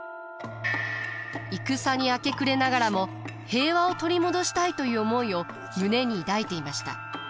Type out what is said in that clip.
戦に明け暮れながらも平和を取り戻したいという思いを胸に抱いていました。